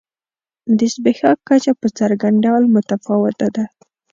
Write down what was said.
د زبېښاک کچه په څرګند ډول متفاوته ده.